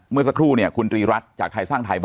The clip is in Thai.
มึงสักครู่เนี่ยคุณทีรัฐจากไทยสร้างไทย